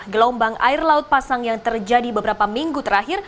gelombang air laut pasang yang terjadi beberapa minggu terakhir